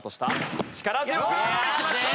力強く決まった！